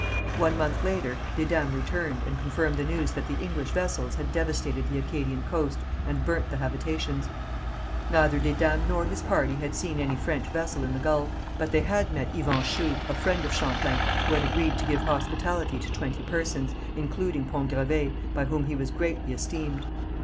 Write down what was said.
One month later Desdames returned, and confirmed the news that the English vessels had devastated the Acadian coast, and burnt the habitations. Neither Desdames nor his party had seen any French vessel in the gulf, but they had met Iuan Chou, a friend of Champlain, who had agreed to give hospitality to twenty persons, including Pont Gravé, by whom he was greatly esteemed.